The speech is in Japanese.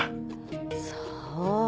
そう！